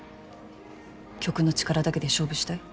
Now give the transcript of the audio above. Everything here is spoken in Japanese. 曲の力だけで勝負したい？